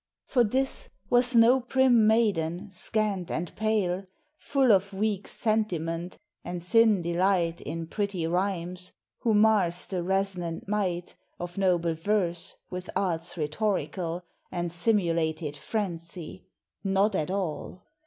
For this was no prim maiden, scant and pale, Full of weak sentiment, and thin delight In pretty rhymes, who mars the resonant might Of noble verse with arts rhetorical And simulated frenzy : not at all